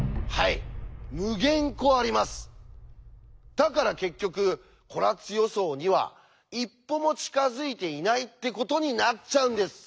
だから結局コラッツ予想には一歩も近づいていないってことになっちゃうんです。